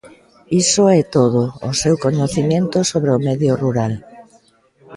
Iso é todo o seu coñecemento sobre o medio rural.